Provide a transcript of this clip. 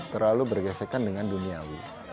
terlalu bergesekan dengan duniawi